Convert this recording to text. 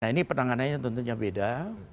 nah ini penanganannya tentunya beda